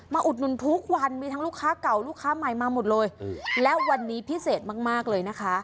อุดหนุนทุกวันมีทั้งลูกค้าเก่าลูกค้าใหม่มาหมดเลยและวันนี้พิเศษมากมากเลยนะคะ